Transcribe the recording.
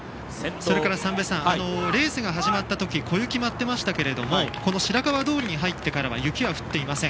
レースが始まったとき小雪が舞ってましたが白川通に入ってからは雪は降っていません。